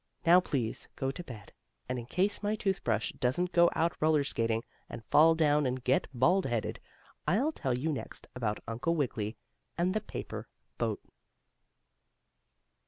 Now, please go to bed, and in case my toothbrush, doesn't go out roller skating, and fall down and get bald headed, I'll tell you next about Uncle Wiggily and the paper boat.